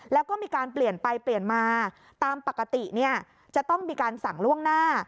แล้วก็มีการเปลี่ยนไปเปลี่ยนมาตามปกติจะต้องมีการสั่งล่วงหน้า